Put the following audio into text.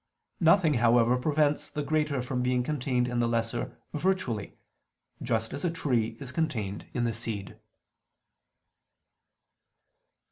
Nothing, however, prevents the greater from being contained in the lesser virtually; just as a tree is contained in the seed.